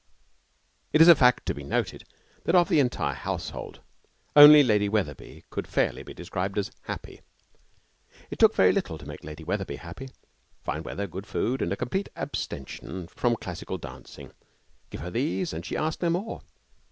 It is a fact to be noted that of the entire household only Lady Wetherby could fairly be described as happy. It took very little to make Lady Wetherby happy. Fine weather, good food, and a complete abstention from classical dancing give her these and she asked no more.